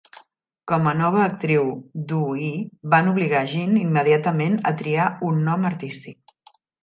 Com a nova actriu d'U-I, van obligar Gene immediatament a triar un nom artístic.